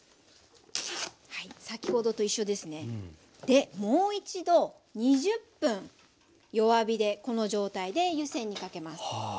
先ほどと一緒ですねでもう一度２０分弱火でこの状態で湯煎にかけます。